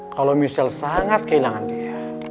kalau misal sangat kehilangan dia